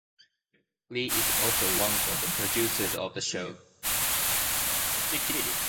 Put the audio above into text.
Lee is also one of the producers of the show.